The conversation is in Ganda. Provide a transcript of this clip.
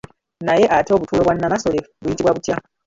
Naye ate obutuulo bwa Nnamasole buyitibwa butya?